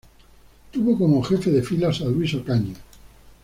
Tuvo como jefe de filas a Luis Ocaña.